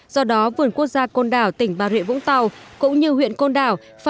do đó vườn quốc gia côn đảo tỉnh bà rịa vũng tàu cũng như huyện côn đảo